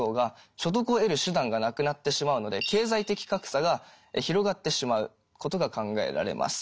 所得を得る手段がなくなってしまうので経済的格差が広がってしまうことが考えられます。